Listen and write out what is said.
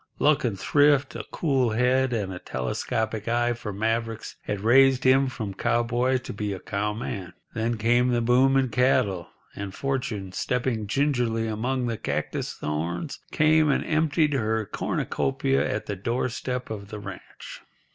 Luck and thrift, a cool head, and a telescopic eye for mavericks had raised him from cowboy to be a cowman. Then came the boom in cattle, and Fortune, stepping gingerly among the cactus thorns, came and emptied her cornucopia at the doorstep of the ranch.